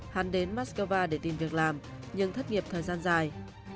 hắn đến moscow để tìm việc làm nhưng thất nghiệp thời gian dài